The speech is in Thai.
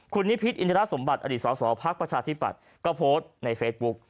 คุณนิพิษอินทรสมบัติอดีตสอสอภักดิ์ประชาธิปัตย์ก็โพสต์ในเฟซบุ๊ก